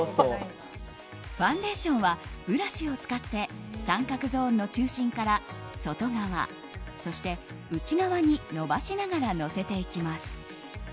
ファンデーションはブラシを使って三角ゾーンの中心から外側そして内側に伸ばしながらのせていきます。